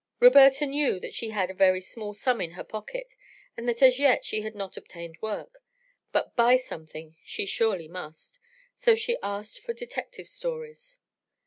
Roberta knew that she had a very small sum in her pocket and that as yet she had not obtained work, but buy something she surely must, so she asked for detective stories.